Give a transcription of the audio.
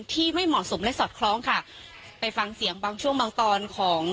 ไม่เหมาะสมและสอดคล้องค่ะไปฟังเสียงบางช่วงบางตอนของ